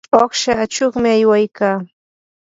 uqsha achuqmi aywaykaa.